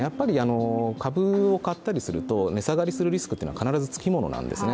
株を買ったりすると値下がりするリスクは必ずつきものなんですよね。